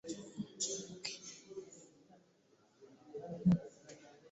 Taata we bwe yamuweekangako ku pikipiki ye ey’ekika kya Vespa olwo ng'afa essanyu.